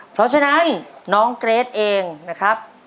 เพราะฉะนั้นน้องเกรทเองนะครับ